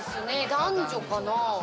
男女かな。